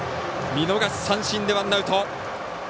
見逃し三振でワンアウト。